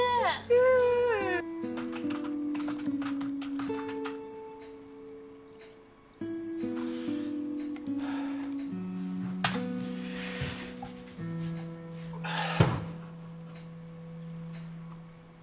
うん！ああ！